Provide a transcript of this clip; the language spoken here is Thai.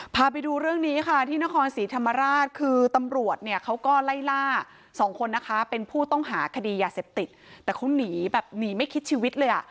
พาไปดูเรื่องนี้ค่ะที่นครศรีธรรมราชคือตำรวจเนี่ยเขาก็ไล่ล่าสองคนนะคะเป็นผู้ต้องหาคดียาเสพติดแต่เขาหนีแบบหนีไม่คิดชีวิตเลยอ่ะ